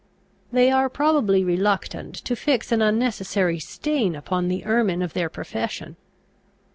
They are probably reluctant to fix an unnecessary stain upon the ermine of their profession.